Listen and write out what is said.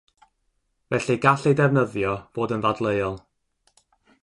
Felly gall eu defnyddio fod yn ddadleuol.